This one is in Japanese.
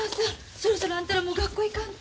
そろそろあんたらも学校行かんと。